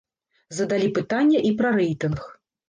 Задалі пытанне і пра рэйтынг.